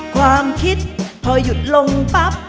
ความคิดพอหยุดลงปั๊บ